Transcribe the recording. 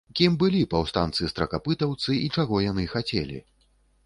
Кім былі паўстанцы-стракапытаўцы і чаго яны хацелі?